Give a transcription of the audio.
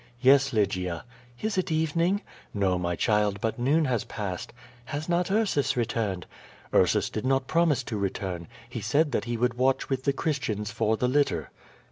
"Yes, Lygia." "Is it evening?" "No, my child, but noon has passed." "Has not Ursus returned?" "Ursus did not promise to return. He said that he would watcli with the Christians for the litter."